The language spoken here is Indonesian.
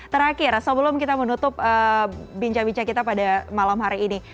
terakhir sebelum kita menutup bincang bincang kita pada malam hari ini